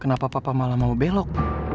kenapa papa malah mau belok